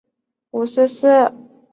与国民军的战斗便告结束。